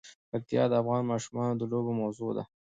پکتیا د افغان ماشومانو د لوبو موضوع ده.